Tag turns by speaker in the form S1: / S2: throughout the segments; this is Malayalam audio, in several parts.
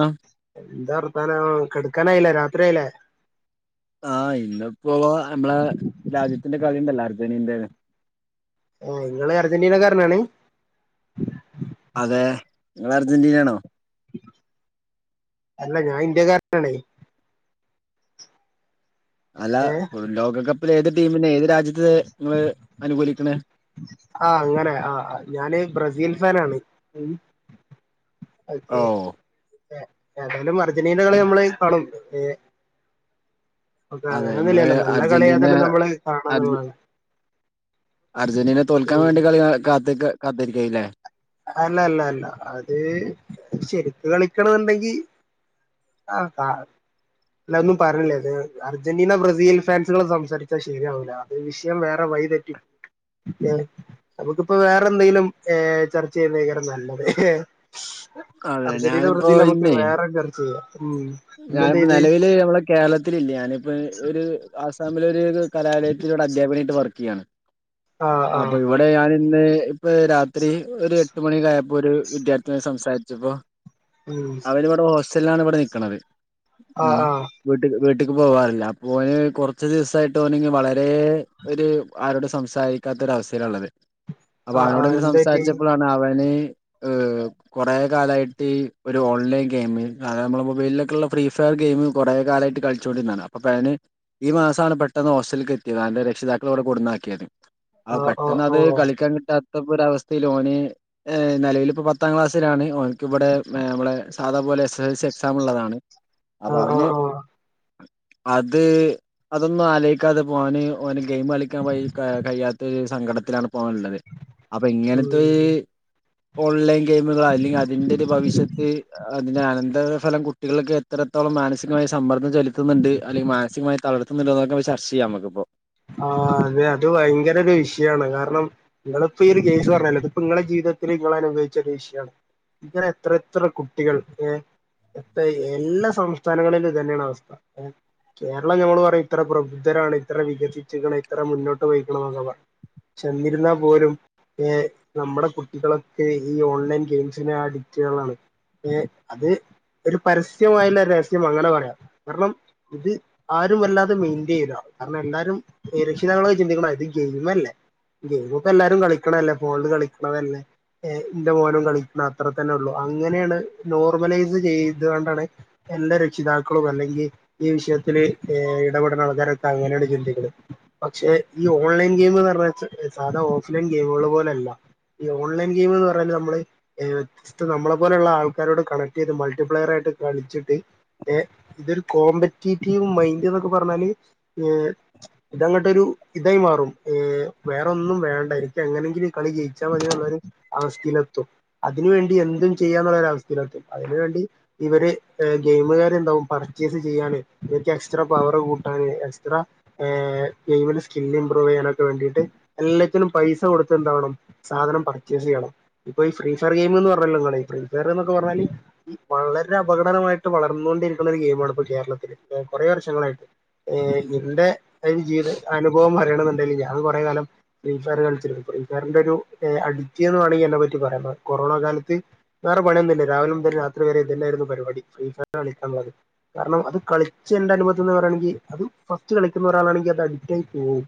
S1: ആ
S2: എന്താ വർത്താനം കെടക്കാനായില്ലേ രാത്രി ആയില്ലേ
S1: ആഹ് ഇന്നപ്പോ നമ്മളെ രാജ്യത്തിന്റെ കളിണ്ടല്ലോ അർജന്റിന്റെ
S2: ഓ നിങ്ങള് അർജന്റീന കാരനാണ്
S1: അതെ നിങ്ങള് അർജന്റീനയാണോ?
S2: അല്ല ഞാൻ ഇന്ത്യക്കാരനാണെ
S1: അല്ല
S2: ഏഹ്
S1: ലോകകപ്പ് ങ്ങള് ഏതു ടീമിന് എതിരാ? രാജ്യത്തെ നിങ്ങള് അനുകൂലിക്കണ്
S2: ആ അങ്ങനെ ആ ആ. ഞാന് ബ്രസീൽ ഫാൻ ആണ് മ് ഒക്കെ
S1: ഓ
S2: ഏതായാലും അർജന്റീന കളി നമ്മള് കാണും ഏ ഒക്കെ അങ്ങന
S1: അതെ നിങ്ങള്
S2: ഒന്നുംല്ലല്ലോ നല്ല
S1: അർജന്റീന
S2: കളിയൊക്കെണ്ട് നമ്മള് കാണന്നുള്ള്
S1: അർജന്റീനെ തോൽക്കാൻ വേണ്ടി കളി കാ കാത്തിക്കാ കാത്തിരിക്കു ആയില്ലേ?
S2: അല്ല അല്ല അല്ല അത് ശരിക്ക് കളിക്കണ എന്നുണ്ടെങ്കി ആ കാ അല്ല ഒന്നും പറഞ്ഞില്ലേ അത് അർജന്റീന ബ്രസീൽ ഫാൻസുകൾ സംസാരിച്ചാൽ ശരിയാവില്ല അത് വിഷയം വേറെ വഴതെറ്റി പോം നമുക്കിപ്പ വേറെ എന്തെങ്കിലും ഏ ചർച്ച ചെയുന്നങ്കര നല്ലത്
S1: അതെ
S2: അർജന്റീനന്നുള്ള
S1: ഞാനിപ്പോ
S2: രീതിയിൽ നമുക്ക്
S1: ഇന്നേ
S2: വേറെ ചർച്ച ചെയ്യാം ഉം
S1: ഞാനിപ്പോ
S2: ഇന്നെന്തേയ്ത്
S1: നിലവില് നമ്മളെ കേരളത്തിലില്ല്യാ ഞാനിപ്പോ ഒരു ആസ് മ്മിലൊരു രു കലാലയത്തില് ഒരു അധ്യാപകനായിട്ട് വർക്ക് ചെയ്യാണ്
S2: ആഹ് ആഹ്
S1: അപ്പ ഇവിടെ ഞാൻ പിന്നെ എപ് ഇപ്പ രാത്രി ഒരു എട്ട് മണിയൊക്കെ ആയപ്പോ ഒരു വിദ്യാർത്ഥിനി സംസാരിച്ചപ്പോ
S2: ഉം
S1: അവരിവടെ ഹോസ് സെല്ലാണ് ഇവിടെ ഇക്കണത് ആ
S2: ആഹ് ആഹ്
S1: വീട്ടക് വീട്ട്ക്ക് പോവാറില്ല പോയെ കൊറച്ച് ദിവസായിട്ട് ഓനിങ് വളരെ ഒരു ആരോട് സംസാരിക്കാത്ത ഒരു അവസ്ഥയാള്ളത് അപ്പൊ
S2: ആഹ് ആഹ്
S1: അവനോട്ങ്ങനെ
S2: എന്താറ്റി
S1: സംസാരിച്ചപ്പോളാണ് അവന് മ് കുറെേ കാലായിട്ട് ഒരു ഓൺലൈൻ ഗെയിമിൽ അത് നമ്മുടെ മൊബൈലിലൊക്ക് ള്ള ഫ്രീ ഫയർ ഗെയിം കുറേ കാലായിട്ട് കളിചോണ്ടിരുന്നാണ് അപ്പോ അവന് ഈ മാസമാണ് പെട്ടെന്ന് ഹോസ്റ്റലിൽ എത്തിയത് അവന്റെ രക്ഷിതാക്കൾ അവിടെ കൊണ്ടന്നാക്കിയത് ആഹ്
S2: ഓഹ്
S1: പെട്ടെന്ന് അത്
S2: ഓഹ്
S1: കളിക്കാൻ കിട്ടാത് ത്തപ്പൊര അവസ്ഥയില് ഓന് ഏഹ് നെലവില് ഇപ്പം പത്താം ക്ലാസ്സിലാണ് ഓൻക്ക്‌ വിടെ ഏഹ് മ്മളെ സാധാ പോലെ സ് ൽസ് എക്സാമുള്ളതാണ് അപ്പൊ
S2: ആഹ് ആഹ്
S1: അവന്
S2: ആഹ്
S1: അത് അതൊന്നും ആലോയിക്കാതെ ഇപ്പോന് ഓന് ഗെയിം കളിക്കാൻ വഴി ക കഴിയാത്ത് സങ്കടത്തിലാണ് പോണ്ടത് അപ്പൊ ഇങ്ങനത്തെ
S2: ഉം
S1: ഒര് ഓൺലൈൻ ഗെയിമുകൾ അല്ലെങ്കിൽ അതിന്റെ ഒരു ഭവിഷ്യത്ത് അതിന് അനന്തര ഫലം കുട്ടികൾക്കെ എത്രത്തോളം മാനസികമായ സമ്മദ്ദം ചെലത്തുന്നുണ്ട് അല്ലങ്കിൽ മാനസികമായി തളർത്തുന്ന്ണ്ട് എന്നൊക്കെ ചർച്ച ചെയ്യാം നമുക്കിപ്പോ
S2: ആഹ് അതെ അത് ഭയങ്കര ഒരു വിഷയണ് കാരണം നിങ്ങളിപ്പോ ഈ ഒരു കേസ് പറഞ്ഞാലോ ഇതിപ്പോ നിങ്ങളടെ ജീവിതത്തിൽ നിങ്ങൾ അനുഭവിച്ച ഒരു വിഷയമാണ് ഇങ്ങന എത്ര എത്ര കുട്ടികൾ ഏ എത്ര എല്ലാ സംസ്ഥാനങ്ങളിലും തന്നെയാണ് അവസ്ഥ ഏ കേരളം നഞമ്മൾ പറ ഇത്ര പ്രബുദ്ധരാണ് ഇത്ര വിക ഇത്ര മുന്നോട്ട് പോയിക്കണം എന്നൊക്കെ പറ ചെന്നിരുന്നാൽ പോലും നമ്മുടെ കുട്ടികളൊക്കെ ഈ ഓൺലൈൻ ഗെയിംസിെ അഡിക്റ്റുകളാണ് അത് ഒരു പരസ്യമായുള്ള രഹസ്യം അങ്ങനെ പറയാം കാരണം ഇത് ആരും വല്ലാതെ മെയിൻറ്റെയിൻ ചെയ്താണ് കാരണം എല്ലരും രക്ഷിതാക്കളൊക്കെ ചിന്തിക്കണം ഇത് ഗെയിം അല്ലേ ഗെയിമ ഇപ്പോ എല്ലാരും കളിക്കണല്ലേ ഫോണിൽ കളിക്കണതല്ലേ എന്റെ മോനും കളിക്കണം അത്ര തന്നെ ഉള്ളു അങ്ങനെയാണ് നോർമലൈസ് ചെയ്തുകൊണ്ടാണ് എല്ലാ രക്ഷിതാക്കളും അല്ലെങ്കിൽ ഈ വിഷയത്തില്ൽ ഇടപെട ആൾകാരൊക്കെ അങ്ങനെയാണ് ചിന്തിക്കുന്നത് പക്ഷെ ഈ ഓൺലൈൻ ഗെയിം എന്ന് പറഞ്ഞാ സാധാര ഓഫ്ലൈൻ ഗെയിമുകൾ പോലെയല്ല ഈ ഓൺലൈൻ ഗെയിം എന്ന് പറഞ്ഞാല് നമ്മള് ർ വ്യത്യസ്തം നമ്മളെ പോലുള്ള ആൾക്കാരോട് കണക്ട് ചെയ്ത് മൾട്ടിപ്ലെയർ ആയിട്ട് കളിച്ചിട്ട് ഏർ ഇതൊരു കോമ്പറ്റേറ്റീവ് മൈൻഡ് എന്നൊക്കെ പറഞ്ഞാല് ഏർ ഇതങ്ങോട്ട ഒരു ഇതായി മാറും വേറെൊന്നും വേണ്ട എനിക്ക് എങ്ങനെയെങ്കിലും കളി ജയിച്ചാൽ മതി എന്നുള്ള ഒരു അവസ്ഥയിലെത്തും അതിന വേണ്ടി എന്തും ചെയ്യാന്നുള്ള ഒരു അവസ്ഥയിലെത്തും അതിനന് വേണ്ടി ഇവര് ഗെയിമുകാർ എന്താവും പർച്ചേസ് ചെയ്യാന് ഇവർക്ക് എക്സ്ട്രാ പവർ കൂട്ടാന് എക്സ്ട്രാ ഗെയിന്റെ സ്കില്ല് ഇമ്പ്രൂവ് ചെയ്യാനൊക്കെ വേണ്ടിട്ട് എല്ലാത്തിനും പൈസ കൊടുത്ത് എന്താവണം സാധനം പർച്ചേസ് ചെയ്യണം ഇപ്പൊ ഈ ഫ്രീ ഫയർ ഗെയിം എന്ന് പറഞ്ഞല്ലോങ്ങ ഫ്രീ ഫയർ എന്നൊക്കെ പറഞ്ഞാല് വളരെ അപകടമായിട്ട് വളർന്നോണ്ടിരിക്കുന്ന ഒരു ഗെയിമാണ് ഇപ്പോ കേരളത്തില്ൽ കുറെ വർഷങ്ങളായിട്ട് എന്റെ അതിന്റെ ജീവിത അനുഭവം പറയണുണ്ടെങ്ക ഞാൻ കുറെ കാലം ഫ്രീ ഫയർ കളിച്ചിരുന്നു ഫ്രീ ഫയറിന്റെ ഒരു അഡിറ്റ്ന്ന് വണെങ്കിൽ എന്നെ പറ്റി പറയുന്നത് കൊറോണ കാലത്ത് വേറെ പണിയൊന്നുമില്ല രാവിലെ മുതലും രാത്രി വരെ ഇതല്ലായിരുന്നു പരിപാടി ഫ്രീ ഫയർ കളിക്കുള്ളത് കാരണം അത് കളിച്ചച്ച് എന്റെ അനുഭവംന്ന് പറയയാണെങ്കിൽ അത് ഫസ്റ്റ് ക സത്യം ഒരാളാണെങ്കിൽ അത് അഡിക്റ്റ ആയി പോകും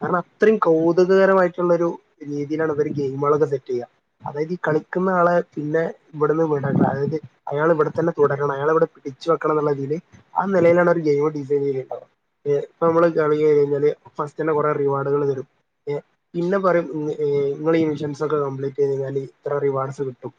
S2: കാരണം അത്രയും കൗതുകകരമായിട്ടുള്ളൊ ഒരു രീതിയിലാണ് ഇ ഗെയിമുകളൊക്കെ സെറ്റ് ചെയ്യുക അതായത് ഈ കളിക്കുന്ന ആളെ പിന്നെ ഇവിടുന്ന് വിട അതായത് അയാൾ ഇവിടെ തന്നെ തുടരണം അയാള ഇവിടെ പിടിച്ചു വെക്കണം എന്നുള്ള രീതിയില് ആ നിലയിലാണ് ഒരു ഗെയിമ ഡിസൈൻ ചെയ്തേണ്ടത് ഇപ്പൾ നമ്മൾ കളി കഴിഞ്ഞാല് ഫസ്റ്റ് തന്നെ കുറെേ റിവാർഡുകൾരും പിന്നെയും നിങ്ങൾഈ ഇൻഷുറൻസ് ഒക്കെ കംപ്ലീറ്റ് ചെയ്ത് കഴിഞ്ഞാൽ ഇത്ര റിവാർഡ്സ് കിട്ടും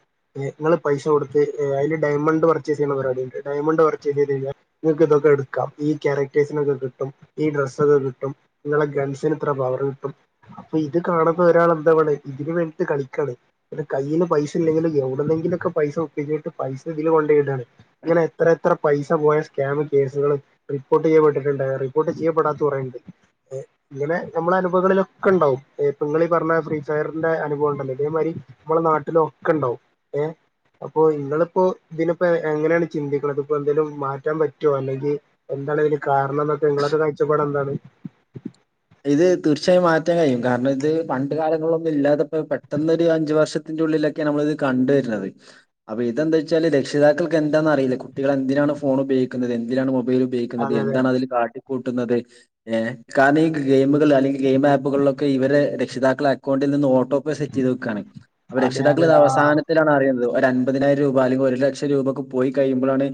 S2: നിങ്ങൾ പൈസ കൊടുത്ത് അതില് ഡയമണ്ട് പർച്ചേസ് ചെയ്യുന്ന പരിപാടിിയുണ്ട് ഡയമണ്ട് പർച്ചേസ് ചെയ്ത് കഴിഞ്ഞാൽ നിങ്ങൾക്ക് ഇതൊക്കെ എടുക്കാം ഈ കരക്ടേഴ്സിനൊക്കെ കിട്ടും കി ഈ ഡ്രസ്സൊക്കെ കിട്ടും നിങ്ങളെ ഗൺസിന്ത്ര പവറ് കിട്ടും അപ്പൊ ഇത് കാണുന്ന ഒരാൾ എന്താണ് വ ഇതിന് വേണ്ടിട്ട് കളിക്കാണ് കയ്യിൽ പൈസ ഇല്ലെങ്കിൽ എവിടെന്നെങ്കിലൊക്കെ പൈസ ഉപ്പയോഗിക്കിട്ട് പൈസ ഇതിൽ കൊണ്ടയിടയാണ് ഇങ്ങനെ എത്ര എത്ര പൈസ പോയ സ്കാം കേസുകൾ റിപ്പോർട്ട് ചെയ്യപ്പെട്ടിട്ടുണ്ടായി റിപ്പോട്ട് ചെയ്യപ്പെടാത്തയണ്ട് ഇങ്ങനെ നമ്മളുടെ അനുഭവങ്ങളിലൊക്കെ ഉണ്ടാവും ഇങ്ങഈ പറഞ്ഞ ഫ്രീ ഫയറിന്റെ അനുഭവം ഉണ്ടല്ലോ ഇതേമാതിരി നമ്മളെ നാട്ടില ഒക്കെ ഉണ്ടാവുംഏ അപ്പോൊ ഇങ്ങളിപ്പോ ഇതിപ്പോ എങ്ങനെയാണ് ചിന്തതികൾ അതിപ്പോ എന്തെലും മാറ്റാൻ പറ്റോ അല്ലെങ്കിൽ എന്താണ് ഇതിന് കാരണം ങ്ങളൊക്കെ കാഴ്ചപ്പാട് എന്താണ്
S1: ഇത് തീർച്ചയായും മാറ്റാൻ കഴിയും കാരണം ഇത് പണ്ട് കാലങ്ങളൊന്നും ഇല്ലാത്തപ്പോ പെട്ടൊ ഒരു അഞ്ചു വർഷത്തിന്റെ ഉള്ളിലൊക്കൊണ് നമ്മൾ ഇത് കണ്ട വരുന്നത് അപ്പൊ ഇതെന്താ വെച്ചാല് രക്ഷിതാക്കൾക്ക് എന്താന്ന അറിയില്ല കുട്ടികൾ എന്തിനാണ് ഫോൺ ഉപയോഗിക്കുന്നത് എന്തിനാണ് ൽ ഉപയോഗിക്കുന്നത്
S2: അതെ അതെ
S1: എന്താണ് അതിൽ കാ കൂട്ടുന്നത് ഏ കാനീ- ഗെയിമുകൾ അല്ലെങ്കിൽ ഗെയിം ആപ്പുകളിലൊക്കെ ഇവരെ രക്ഷിതാക്കൾ അക്കൗണ്ടിൽ നിന്ന് ഓ ടോപ്പ് സെറ്റ് ചെയ്ത് വെക്കാണ് അപ്പൊ
S2: അതെ
S1: രക്ഷിതാക്കൾ
S2: അതെ
S1: ഇത്
S2: ആ
S1: അവസാനത്തിലാണ് അറിയുന്നത്- ഒര അൻമ്പപതിനായിരം രൂപ അല്ലെങ്കിൽ ഒരു ലക്ഷം രൂപ ഒക്കെ പോയി കഴിയുമ്പോഴാണ്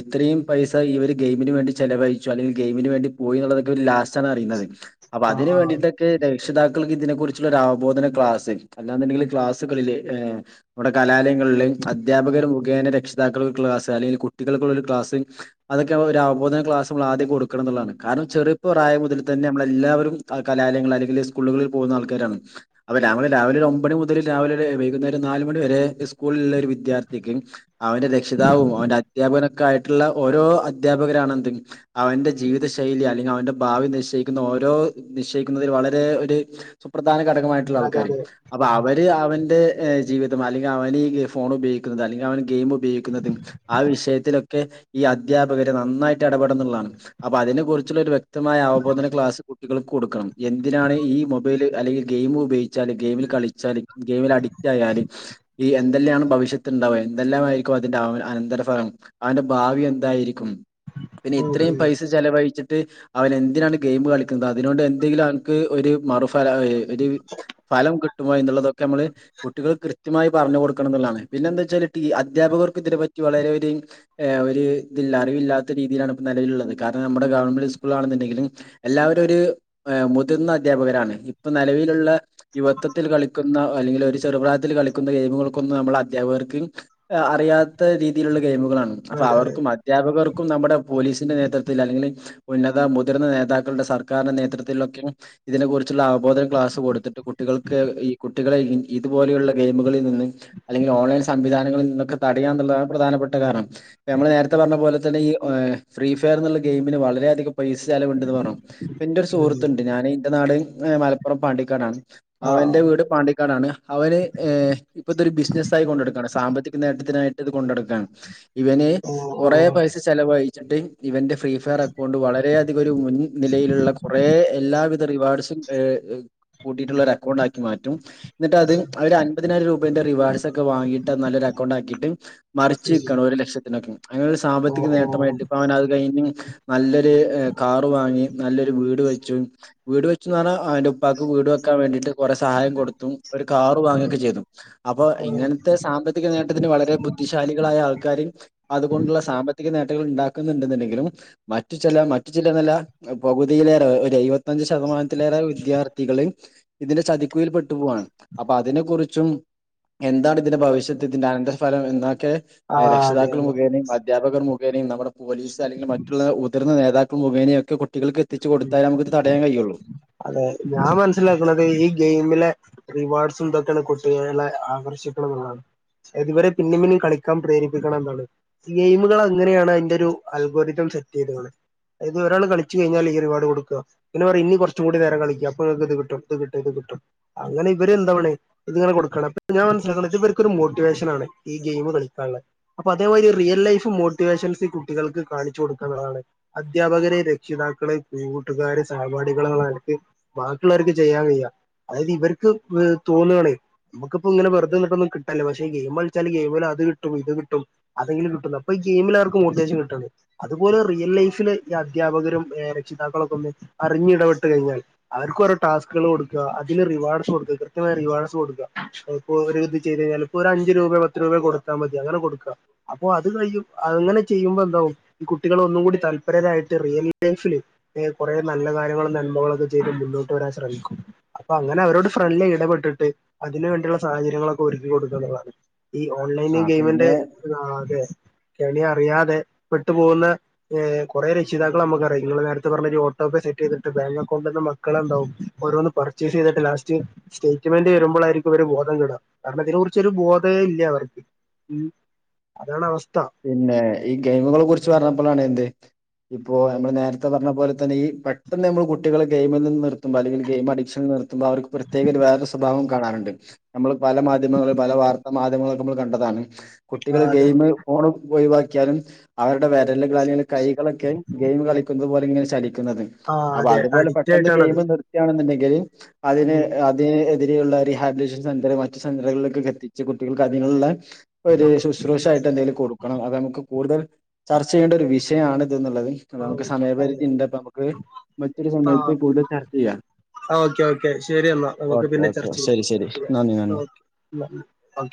S1: ഇത്രയും പൈസ ഈ ഒരു ഗെയിമിന് വേണ്ടി ചെലവഴിച്ചു അല്ലെങ്കിൽ ഗെയിമിന് വേണ്ടി പോയി എന്നുള്ളതൊക്കെയിവരു ലാസ്റ്റ് ആണ് അറിയുന്നത്- അപ്പൊ
S2: ആ
S1: അതിന്
S2: ആ
S1: വേണ്ടിട്ടൊക്കെ- രക്ഷിതാക്കൾക്ക് ഇതിനെ കുറിച്ചുള്ള ഒരു അവബോധന ക്ലാസ്സ് അല്ലാെന്നുണ്ടെങ്കിൽ ക്ലാസ്സുകളിൽ നമ്മുടെ കലാലയങ്ങളില് അധ്യാപകർ മുഖേന രക്ഷിതാക്കൾക്ക് ക്ലാസ് അല്ലെങ്കിൽ കുട്ടികൾക്കുള്ള ക്ലാസ് അതൊക്കെ ഒരു അവബോധന ക്ലാസ് നമ്മ ആദ്യം കൊടുക്കണം എന്നുള്ളതാണ് കാരണം ചെറുപ്പ പ്രായം മുതൽ തന്നെ- മ്മ ള്എല്ലാവരും കലാലയങ്ങളൾ അല്ലെങ്കിൽ സ്കൂളുകളിൽ പോകുന്ന ആൾക്കാരാണ് അപ്പൊ രാവിലെ രാവിലെ ഒരു ഒമ്പണി മുതൽ രാവിലെ വൈകുന്നേരം നാലുമണി വരെ ഇസ്കൂളിലള്ള ഒരു വിദ്യാർത്ഥിക്ക്- അവന്റെ രക്ഷിതാവും അവന്റെ അധ്യാപന- ആയിട്ടുള്ള ഓരോ അധ്യാപകരാണ് എന്തെങ്കിൽ അവന്റെ ജീവിത ശൈലി അല്ലെങ്കിൽ അവന്റെ ഭാവി നിശ്ചയി ക്കുനഓരോ നിശ്ചയിക്കുന്നതിൽ വളരെ ഒരു സുപ്ര ധാന ഘടകമായിട്ടുള്ള
S2: അതെ
S1: ആൾക്കാരും
S2: അതെ
S1: അപ്പൊ അവര് അവ- ജീവിതം അല്ലെങ്കിൽ അവന് ഫോൺ ഉപയോഗിക്കുന്നത് അല്ലെങ്കിൽ അവൻ ഗെയിം ഉപയോഗിക്കുന്നതും ആ വിഷയത്തിലൊക്കെ ഈ അധ്യാപകര് നന്നായിട്ട് ഇടപെടുന്നുള്ളതാണ് അപ്പൊ അതിനെ കുുറിച്ചുള്ള ഒര് വ്യക് മായ അവബോധന കുട്ടികൾക്ക് കൊടുക്കണം എന്തിനാണ് ഈ മൊബൈൽ അല്ലെങ്കിൽ ഗെയിമ ഉപയോഗിച്ചാല് ഗെയിമിൽ കളിച്ചാല് ഗെയിമിൽ അഡിക്റ്റ് ആയാാല് ഈ എന്തെല്ലാാണ് ഭവിഷ്യത്ത്ുണ്ടാവുക എന്തെല്ലാ ആയിരിക്കും അതിന്റെ അവ അനന്തര ഫലം അവന്റെ ഭാവി എന്തായിരിക്കും പിന്നെ
S2: ഉം
S1: ഇത്രയും
S2: ഉം
S1: പൈസ ചെലവഴിച്ചിട്ട് ് അവന എന്തിനാണ് ഗെയിം കളിക്കുന്നത് അതിനൊണ്ട് എന്തെങ്കിലും എക്ക് മറു പരവെ ഇവര് ഫലം കിട്ട് ട്ടുമോ എന്നുള്ളതോ നമ്മള് കുട്ടികൾക്ക് കൃത്യമായി പറഞ്ഞു കൊടുക്കണം എന്നുള്ളതാണ്. പിന്നെ എന്താ വെച്ചാല് ടീ അധ്യാപകർക്ക് ഇതിനനെപ്പറ്റി വളരെ ഒര് ഒരു ഇതില്ല. അറിവില്ലാത്ത രീതിയിലാണ് ഇപ്പ നിലവിലുള്ളത്. കാരണം നമ്മുടെ ഗവൺമെന്റ് സ്കൂളിലാണെന്നുണ്ടെങ്കിലും എല്ലാവരും ഒരു മുതിർന്ന അധ്യാപകരാണ്. ഇപ്പൊ നിലവിലുള്ള യുവത്വത്തിൽ കളിക്കുന്ന അല്ലെങ്കിൽ ഒരു ചെറുപ്രായത്തിൽ കളിക്കുന്ന ഗെയിമുകൾക്കൊന്നും നമ്മൾ അധ്യാപകർക്ക് അറിയാത്ത രീതിയിലുള്ള ഗെയിമുകളാണ് അപ്പൊ
S2: അതെ അതെ
S1: അവർക്കും അധ്യാപകർ ക്കും നമ്മുടെ പോലീസിന്റെ നേതൃത്വത്തില് അല്ലെങ്കില് ഉന്നത മുതിർന്ന നേതാ ക്കളുടെ സർക്കാരിന്റെ നേതൃത്വത്തിലൊക്കെയും ഇതിനെ കുറി ച്ചുള്ള അവബോധന ക്ലാസ് കൊടുത്തിട്ട് കുട്ടികൾക്ക് ഈ കു ട്ടികളെ ഇ ഇതുപോലെയുള്ള ഗെയിമുകളിൽ നിന്ന് അല്ലെങ്കിൽ ഓൺലൈൻ സംവിധാനങ്ങളിൽ നിന്നൊക്കെ തടയാ എന്നുള്ളതാണ് പ്രധാനപ്പെട്ട കാരണം. നമ്മൾ നേരത്തെ പറഞ്ഞപോലെ തന്നെ ഈ ഫ്രീ ഫയർ എന്നുള്ള ഗെയിമിന് വളരെയധികം പൈസ ചെലവ് ഉണ്ടെന്ന് പറഞ്ഞൂ. പ്പെന്റെ ഒരു
S2: ഉം
S1: സുഹൃത്തുണ്ട് ഞാനി എന്റെ നാട് മലപ്പുറം പാണ്ടിക്കാടാണ്
S2: ആ
S1: അവന്റെ വീട് പാണ്ടി ടാണ്. അവന് ഇപ്പഴത്തൊരു ബിസിനസ്സായി കൊണ്ട് നടക്കാണ്. സാമ്പത്തിക നേട്ടത്തിനായിട്ടത് കൊണ്ട് നടക്ക ക്കാണ്. ഇവന്
S2: ഓ ഓ
S1: കൊറേ
S2: ഉം
S1: പൈസ ചെലവായി ച്ചട്ട് ഇവൻ്റെ ഫ്രീ ഫയർ അക്കൗണ്ട് വളരെയധികം ഒരു മുൻ നിലയിലുള്ള കൊറേ എല്ലാവിധ റിവാർഡ്സും കൂട്ടിയിട്ടുള്ള ഒരു അക്കൗണ്ട് ആക്കി മാറ്റും. എന്നിട്ട് അത് അവര് അൻപതിനായിരം രൂപേന്റെ റിവാർഡ്സ് ഒക്കെ വാങ്ങിട്ട് അത് നല്ലൊരു അക്കൗണ്ട് ആക്കിയിട്ട് മറിച്ച് വിക്കാണ്. ഒരു ലക്ഷത്തിനൊക്കെ. അങ്ങനെ ഒരു
S2: ഓ
S1: സാമ്പത്തിക
S2: ഓ
S1: നേട്ടമായിട്ട് ഇപ്പ അവന് അത് കഴി ഞ്ഞ് നല്ലൊരു കാർ വാങ്ങി നല്ലൊരു വീട് വെച്ചു. വീട് വെച്ചൂന്നു പറഞ്ഞാ അവൻ്റെ ഉപ്പാക്ക് വീട് വെക്കാൻ വേണ്ടീട്ട് കുറെ സഹായം കൊടുത്തും ഒരു കാറ് വാങ്ങൊക്കെ ചെയ്തു. അപ്പോ
S2: ഓ
S1: ഇങ്ങനത്തെ സാമ്പത്തിക നേട്ടത്തിന് വളരെ ബുദ്ധിശാലികളായ ആൾക്കാരും അതുകൊണ്ടുള്ള സാമ്പത്തിക നേ ട്ടങ്ങള് ഇണ്ടാക്കുന്നുണ്ടെങ്കിലും മറ്റു ചെല മറ്റു ജില്ലെന്നല്ല പകുതിയിലേറെ ഒരു എഴുപ പത്തഞ്ച് ശതമാനത്തിലേറെ വിദ്യാർത്ഥികളിളേം ഇതിന്റെ ചതിക്കുഴീൽ പെട്ടു പോവാണ്. അപ്പൊ അതിനെ കുറിച്ചും എന്താണ് ഇതിന്റെ ഭവിഷത്ത് ഇതിന്റെ അനന്തര ഫലം എന്നാൽ ക്കെ
S2: ആ അതെ
S1: രക്ഷിതാക്കൾ
S2: അതെ
S1: മുഖേനെയും അധ്യാപകർ മു ഖേനേംനമ്മുടെ പോലീസ് അല്ലെങ്കിൽ മറ്റുള്ള മുതിർന്ന നേതാക്ക മുഖേനയൊക്കെ കു കുട്ടികൾക്ക് എത്തിച്ച് കൊടുത്താൽ നമുക്ക് ഇത് തടയാൻ കഴിയുള്ളൂ.
S2: അത് ഞാൻ മനസ്സിലാക്കണത് ഈ ഗെയിമിലെ റിവാർഡ്സും ഇതൊക്കെയാണ് കുട്ടികളിലെ ആകർഷിക്കണം എന്നാണ്. അത് ഇവരെ പിന്നേം പിന്നേം കളിക്കാൻ പ്രേരിപ്പിക്കണ എന്താണ് ഗെയിമുകൾ അങ്ങനെയാണ് അതിന്റെ ഒരു അൽഗൊരിതം സെറ്റ് ചെയ്തേക്കണെ. അത് ഒരാൾ കളിച്ചു കഴിഞ്ഞാൽ ഈ റിവാർഡ് കൊടുക്കുക ഇങ്ങനെ പറയും ഇനി കുറ ച്ചൂടി നേരം കളിക്ക അപ്പത് നിങ്ങക്ക് കിട്ടും ഇത് കിട്ടും ഇത് കിട്ടും അങ്ങനെ ഇവര് എന്താണ് ഇങ്ങനെ കൊടുക്കാണ് ഞാൻമനസിലക്ക്ണ ഇവർക്കൊരു മോട്ടിവേഷനാണ് ഈ ഗെയിം കളിക്കാനുള്ള അപ്പൊ അതേ റിയൽ ലൈഫ് മോട്ടിവേഷൻസ് ഈ കുട്ടികൾക്ക് കാണിച്ചു കൊടുക്കാന്നുള്ളതാണ് അധ്യാപകരെ രക്ഷിതാക്കള് കൂട്ടുകാര് സഹപാടി കൾ എന്നനിലക്ക് ബാക്കിയുള്ളള്ളവർക്ക് ചെയ്യാൻ കയ്യാ അതായത് ഇവർക്ക് തോന്നാണ് നമുക്കിപ്പോ ഇങ്ങനെ വെറുതെ നിട്ടൊന്നും കിട്ടാല്ല പക്ഷെ ഗെയി കളിച്ചാൽ ഗെയിമിൽ അത് കിട്ടും ഇത് കിട്ടും അതെങ്കിലും കിട്ടും അപ്പൊ ഈ ഗെയിമിൽ അവർക്ക് മൊട്ടിവേഷൻ കിട്ടാണ് അതുപോലെ റിയൽ ലൈഫില് ഈ അധ്യാപകരും രക്ഷിതാക്കളൊക്കെ ഒന്ന് അറിഞ് ഇടപ്പെട്ട് ട്ട് കഴിഞ്ഞാൽ അവർക്ക് ഓരോ ടാസ്ക്ക്‌കൾ കൊടുക്കാ അതിന് റിവാർസ് കൊടുക്ക കൃത്യമായ റിവാർസ് കൊടുക്ക ഇപ്പൊ ഓര് ഇത് ചെയ്ത് കഴിഞ്ഞാല് ഇപ്പൊ ഒരു അഞ്ച് രൂപയോ പത്ത് രൂപയോ കൊടുത്താ മതി അങ്ങനെ കൊടുക്ക അപ്പൊ അത് കയി അങ്ങനെ ചെയ്യുമ്പോ എന്താവും കുട്ടികള് ഒന്നും കൂടി തല്പരരായിട്ട് റിയൽ ലൈഫില് കുറെേ നല്ല കാര്യങ്ങള് നല്ല അപ്പോ അത് ചെയ്ത് മുന്നോട്ട് വരാൻ ശ്രമിക്കും അപ്പൊ അങ്ങനെ അവരോട് ഫ്രണ്ട്ലി ഇടപെട്ടിട്ട് അതിനു വേണ്ടിയുള്ള സാഹചര്യങ്ങളൊക്കെ ഒരുക്കി കൊടുക്കുകന്നുള്ളതാണ്. ഈ ഓൺലൈന്
S1: ആ
S2: ഗെയിമിന്റെ
S1: പിന്നെ
S2: ആ അതെ കെണി അറിയാതെ പെട്ടു പോകുന്ന ഹേ കുറെ രക്ഷിതാക്കൾ നമുക്കറിയാം നിങ്ങള് നേരത്തെ പറഞ്ഞരു ഓട്ടോ പേ സെറ്റ് ചെയ്തിട്ട് ബാങ്ക് കൊണ്ടന്ന് മക്കളെന്താവും ഓരോന്ന് പർച്ചേസ് ചെയ്തിട്ട് ലാസ്റ്റ് സ്റ്റേറ്റ്മെന്റ് വരുമ്പോഴായിരിക്കും ഇവര് ബോധം കെടാ കാരണം ഇതിനെ കുറിച്ചൊരു ബോധേ ഇല്ല അവർക്ക് ഉം അതാണ് അവസ്
S1: പിന്നെ ഈ ഗെയിമുകളെ കുറിച്ച് പറഞ്ഞപ്പളാണ് എന്ത് ഇപ്പോ നമ്മൾ നേരത്തെ പറഞ്ഞ പോലെ തന്നെ ഈ പെട്ടെന്ന് നമ്മൾ കുട്ടികളെ ഗെയിമിൽ നിന്ന് നിർത്തുമ്പോ അല്ലെങ്കിൽ ഗെയിം അഡിക്ഷൻ നിർ അവർക്ക് പ്രത്യേക വേറെരു സ്വഭാവം കാണാറുണ്ട് നമ്മൾ പല മാധ്യമങ്ങളും പല വാർത്താ മാധ്യമങ്ങൾും നമ്മൾ കണ്ടതാണ് കുട്ടികൾ
S2: ആഹ് അതെ
S1: ഗെയിമ് ഒഴിവാക്കിയാലും അവരുടെ വരല് കാലി കൈകളൊക്കെ ഗെയിം കളിക്കുന്ന പോലെ എന്ന് വച്ചാൽ എക്ക്ന്നത്
S2: ആഹ്
S1: അപ്പൊ
S2: അതെ
S1: അതുപോലെ
S2: അഡിക്റ്റ്
S1: പെട്ടെന്ന് ഗെയിം
S2: ആയിട്ടാണത്
S1: നിർത്തിയാണന്നുണ്ടകി [unintelligible] അതിന്
S2: ഉം
S1: അത് മാതിരിയുള്ള റിഹാബിലേഷൻ സെന്റർ മറ്റ് സെറുകളിലക്കെ എത്തിച്ച് കുട്ടികൾക്ക് അതിനുള്ള ഒരു ശുശ്രൂഷ ആയിട്ട് എന്തേലും കൊടുക്കണം അത് നമുക്ക് കൂടുതൽ ചർച്ച ചെയ്യേണ്ട ഒരു വിഷയാണ് റ്റുംന്നുള്ളത് അപ്പം നമക്ക്
S2: ആഹ് അതെ
S1: സമയപരിധിണ്ട് അപ്പ നമക്ക് മറ്റൊരു സമയത്ത്
S2: ആഹ്
S1: കൂടുതൽ ചർച്ച ചെയ്യാ
S2: ഓക്കെ ഓക്കെ ശരി എന്നാ നമുക്ക്
S1: ഓക്കെ
S2: പിന്നെ
S1: ഓക്കെ
S2: ചർച്ച ചെയ്യാം
S1: ശരി ശരി
S2: ഓക്കെ
S1: നന്ദി നന്ദി.
S2: Okay okay.